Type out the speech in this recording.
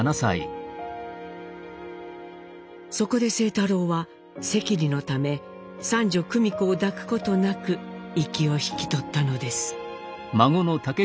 そこで清太郎は赤痢のため三女久美子を抱くことなく息を引き取ったのです。